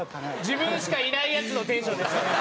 自分しかいないやつのテンションでしたね。